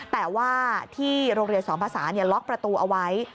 แต่ว่าที่โรงเรียนสอนภาษาล็อกประตูเอาไว้